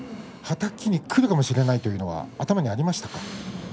はたきにくるかもしれないというのは頭にありましたか？